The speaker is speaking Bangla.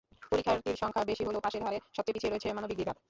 পরীক্ষার্থীর সংখ্যা বেশি হলেও পাসের হারে সবচেয়ে পিছিয়ে রয়েছে মানবিক বিভাগ।